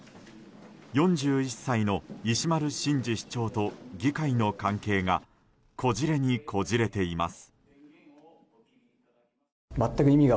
４１歳の石丸伸二市長と議会の関係がこじれにこじれています。